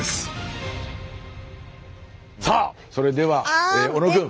さあそれでは小野くん。